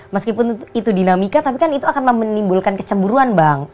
meskipun itu dinamika tapi kan itu akan menimbulkan kecemburuan bang